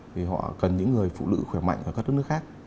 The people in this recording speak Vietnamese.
thì họ cần những người phụ nữ khỏe mạnh ở các đất nước khác